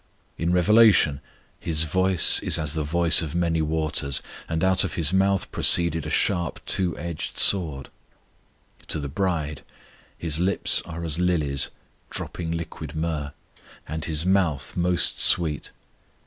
In Revelation "His voice is as the voice of many waters ... and out of His mouth proceeded a sharp two edged sword." To the bride, His lips are as lilies, dropping liquid myrrh, and His mouth most sweet.